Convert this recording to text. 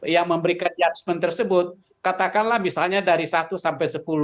yang memberikan judgement tersebut katakanlah misalnya dari satu sampai sepuluh